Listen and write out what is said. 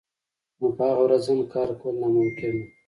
نو په هغه ورځ هم کار کول ناممکن وو